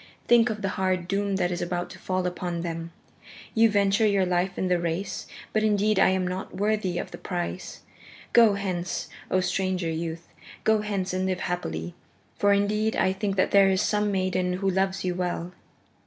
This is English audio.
Think of the hard doom that is about to fall upon them! You venture your life in the race, but indeed I am not worthy of the price. Go hence, O stranger youth, go hence and live happily, for indeed I think that there is some maiden who loves you well."